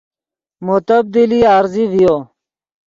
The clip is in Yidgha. مو تبدیلی عارضی ڤیو